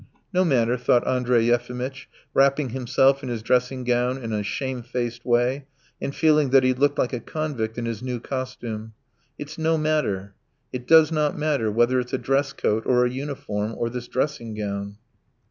"No matter ..." thought Andrey Yefimitch, wrapping himself in his dressing gown in a shamefaced way and feeling that he looked like a convict in his new costume. "It's no matter. ... It does not matter whether it's a dress coat or a uniform or this dressing gown."